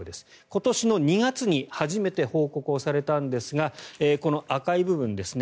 今年の２月に初めて報告されたんですがこの赤い部分ですね。